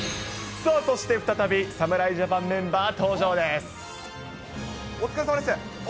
さあ、そして再び侍ジャパンお疲れさまです。